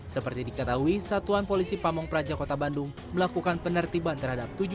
seperti diketahui satuan polisi pamung praja kota bandung melakukan penertiban terhadap